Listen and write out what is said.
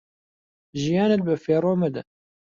ژیانت بە فیڕۆ مەدە